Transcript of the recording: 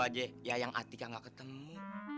aja ya yang artinya nggak ketemu